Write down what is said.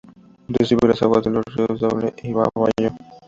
Recibe las aguas de los ríos "Daule" y "Babahoyo".